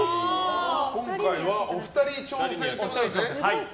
今回はお二人挑戦ということですね。